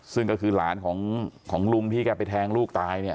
ซึ่งก็คือหลานของลุงที่แกไปแทงลูกตายเนี่ย